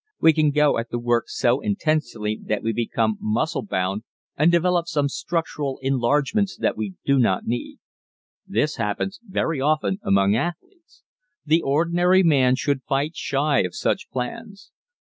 We can go at the work so intensely that we become muscle bound and develop some structural enlargements that we do not need. This happens very often among athletes. The ordinary man should fight shy of such plans.